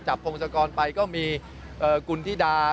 พงศกรไปก็มีกุณฑิดา